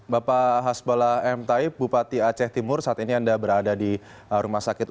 bapak hasbala m taib bupati aceh timur saat ini anda berada di rumah sakit